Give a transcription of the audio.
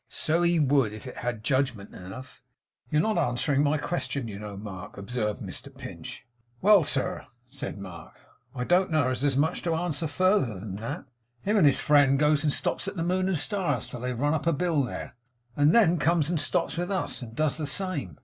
So he would, if it had judgment enough.' 'You're not answering my question, you know, Mark,' observed Mr Pinch. 'Well, sir,' said Mark, 'I don't know as there's much to answer further than that. Him and his friend goes and stops at the Moon and Stars till they've run a bill there; and then comes and stops with us and does the same.